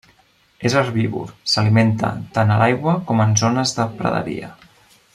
És herbívor, s'alimenta tant a l'aigua com en zones de praderia.